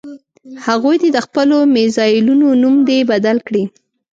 هغوی دې د خپلو میزایلونو نوم دې بدل کړي.